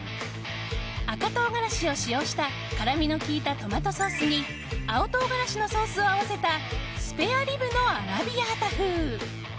赤唐辛子を使用した辛みの効いたトマトソースに青唐辛子のソースを合わせたスペアリブのアラビアータ風。